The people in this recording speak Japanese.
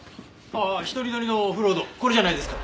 あっ１人乗りのオフロードこれじゃないですか？